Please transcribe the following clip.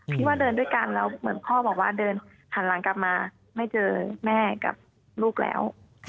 แล้วเหมือนว่าพ่อมาเดินหลังกลับมาไม่เจอแม่กับลูกแล้ว